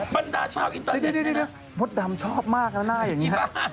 บรรดาชาวอินเตอร์เน็ตด้วยนะมดดำชอบมากแล้วหน้าอย่างนี้